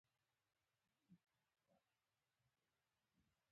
موټر یوې متروکې سیمې ته مخه کړه.